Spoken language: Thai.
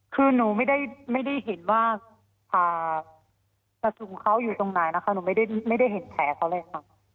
คือหนูไม่ได้เห็นว่ากระสุนเขาอยู่ตรงไหนนะคะหนูไม่ได้เห็นแผลเขาเลยค่ะ